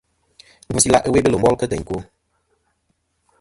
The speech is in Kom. Ngvɨsɨ ila' sɨ ghɨ ɨwe i Belo bol kɨ teyn ɨkwo.